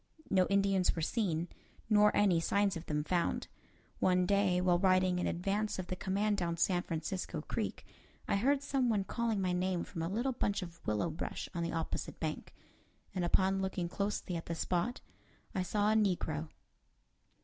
No Indians were seen, nor any signs of them found. One day, while riding in advance of the command down San Francisco Creek, I heard some one calling my name from a little bunch of willow brush on the opposite bank, and upon looking closely at the spot, I saw a negro.